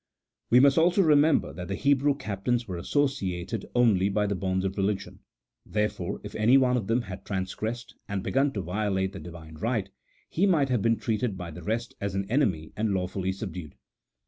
We must also remember that the Hebrew captains were associated only by the bonds of religion : therefore, if any one of them had transgressed, and begun to violate the Divine right, he might have been treated by the rest as an enemy and lawfully subdued.